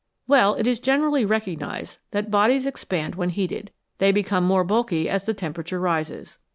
Well, it is generally recognised that bodies expand when heated they become more bulky as the temperature rises.